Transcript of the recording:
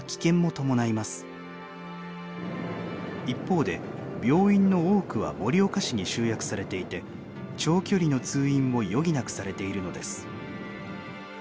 一方で病院の多くは盛岡市に集約されていて長距離の通院を余儀なくされているのです。